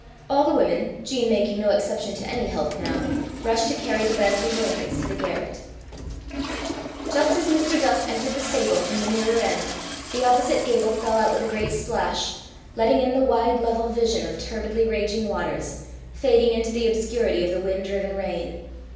All the women, Jean making no exception to any help now, rushed to carry the beds and blankets to the garret. Just as Mr. Duff entered the stable from the nearer end, the opposite gable fell out with a great splash, letting in the wide level vision of turbidly raging waters, fading into the obscurity of the wind driven rain.